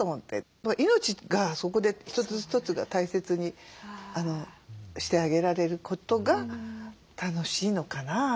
命がそこで一つ一つが大切にしてあげられることが楽しいのかな。